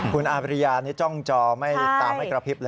คุณอาบริยานี่จ้องจอไม่ตาไม่กระพริบเลย